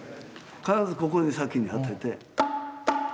必ずここに先に当てて。